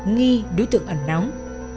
nghi đối tượng ẩn nóng